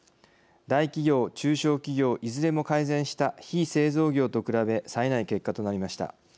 大企業・中小企業いずれも改善した非製造業と比べさえない結果となりました。